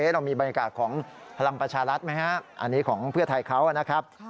เรามีบรรยากาศของพลังประชารัฐไหมครับอันนี้ของเพื่อไทยเขานะครับ